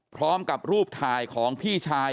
พร้อมกับรูปถ่ายของพี่ชาย